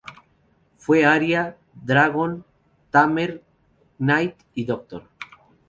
Fue aria, dragoon, tamer, knight y doctor.